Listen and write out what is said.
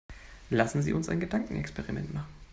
Lassen Sie uns ein Gedankenexperiment machen.